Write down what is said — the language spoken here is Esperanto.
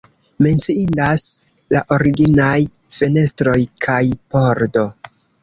Menciindas la originaj fenestroj kaj pordo.